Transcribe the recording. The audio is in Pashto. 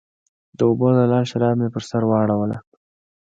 د اوبو زلال شراب مې پر سر واړوله